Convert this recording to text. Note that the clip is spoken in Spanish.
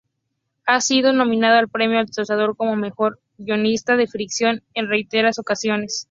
Ha sido nominado al Premio Altazor como mejor guionista de ficción en reiteradas ocasiones.